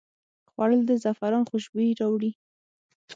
خوړل د زعفران خوشبويي راوړي